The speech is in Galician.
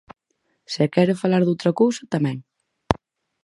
Se quere falar doutra cousa, tamén.